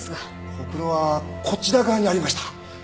ほくろはこちら側にありました。